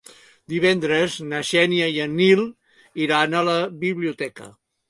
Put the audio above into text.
Divendres na Xènia i en Nil iran a la biblioteca.